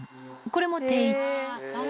これも定位置。